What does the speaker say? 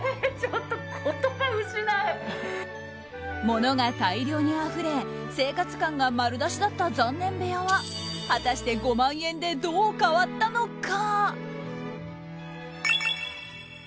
物が大量にあふれ生活感が丸出しだった残念部屋は果たして５万円でどう変わったのか？